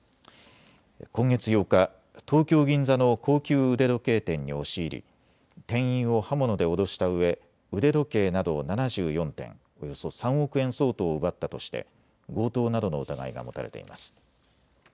今月８日、東京銀座の高級腕時計店に押し入り店員を刃物で脅したうえ腕時計など７４点、およそ３億円相当を奪ったとして強盗などの疑いが持たれています。